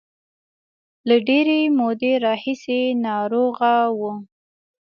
له ډېرې مودې راهیسې ناروغه و.